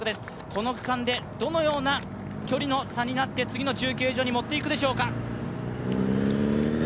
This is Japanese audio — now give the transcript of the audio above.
この区間でどのような距離の差になって次の中継所に持っていくでしょうか。